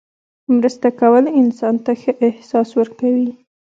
مرسته کول انسان ته ښه احساس ورکوي.